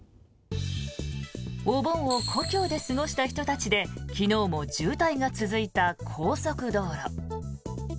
お盆を故郷で過ごした人たちで昨日も渋滞が続いた高速道路。